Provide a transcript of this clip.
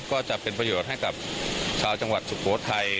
ก็จะเป็นประโยชน์ให้กับชาวจังหวัดสุโขทัย